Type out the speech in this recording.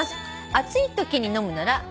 「暑い時に飲むなら」